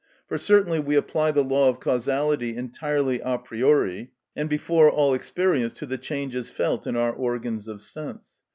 For certainly we apply the law of causality entirely a priori and before all experience to the changes felt in our organs of sense.